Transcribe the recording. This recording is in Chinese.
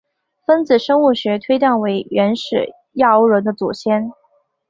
分子生物学推断为原始亚欧人的祖先。